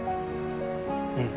うん。